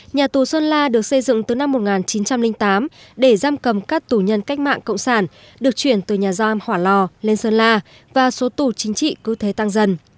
nhà tù sơn la được xây dựng từ năm một nghìn chín trăm linh tám để giam cầm các tù nhân cách mạng cộng sản được chuyển từ nhà giam hỏa lò lên sơn la và số tù chính trị cứ thế tăng dần